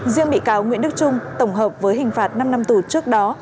riêng bị cáo nguyễn đức trung tổng hợp với hình phạt năm năm tù trước đó